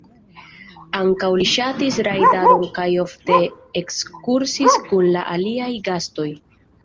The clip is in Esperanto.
Ankaŭ li ŝatis rajdadon kaj ofte ekskursis kun la aliaj gastoj.